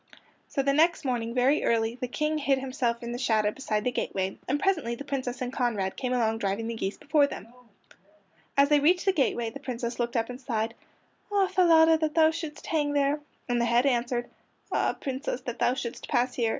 So the next morning very early the King hid himself in the shadow beside the gateway, and presently the Princess and Conrad came along driving the geese before them. As they reached the gateway the Princess looked up and sighed: "Ah, Falada, that thou shouldst hang there!" And the head answered: "Ah, Princess, that thou shouldst pass here!